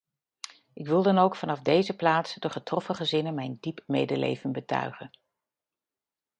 Ik wil dan ook vanaf deze plaats de getroffen gezinnen mijn diep medeleven betuigen.